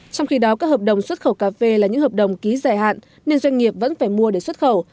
trong khi đó các hợp đồng xuất khẩu cà phê là những hợp đồng ký dài hạn nên doanh nghiệp vẫn phải mua để xuất khẩu